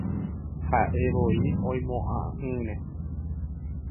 Ha'evoi oimo'ã'ỹre.